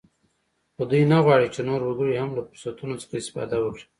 خو دوی نه غواړ چې نور وګړي هم له فرصتونو څخه استفاده وکړي